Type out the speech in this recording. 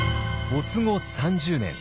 没後３０年。